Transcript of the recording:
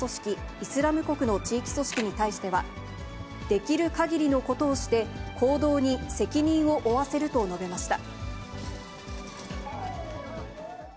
イスラム国の地域組織に対しては、できるかぎりのことをして、行動に責任を負わせると述べました。